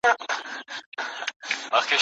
شاګرد باید خپله املا او انشا پخپله سمه کړي.